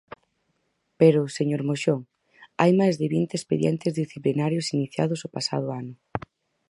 Pero, señor Moxón, hai máis de vinte expedientes disciplinarios iniciados o pasado ano.